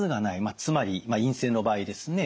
つまり陰性の場合ですね